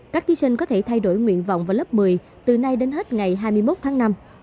các thí sinh có thể thay đổi nguyện vọng vào lớp một mươi từ nay đến hết ngày hai mươi một tháng năm